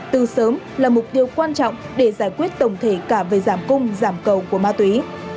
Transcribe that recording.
từ sớm là mục tiêu quan trọng để giải quyết tổng thể cả về giảm cung giảm cầu của ma túy